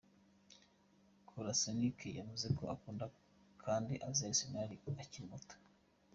Kolasinac yavuze ko akunda kandi azi Arsenal akiri muto.